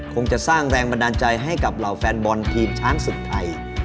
คงจะสร้างแรงบันดาลใจให้กับเหล่าแฟนบอลทีมช้างศึกไทย